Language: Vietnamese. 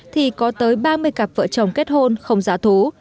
thì có tới ba mươi cặp vợ chồng kết hôn không giá thú